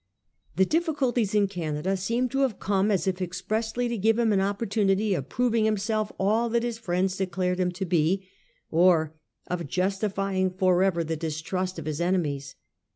The difficulties in Canada seemed to have come as if expressly to give him an opportunity of proving himself all that his friends declared him to be, or of justifying for ever the distrust of his enemies.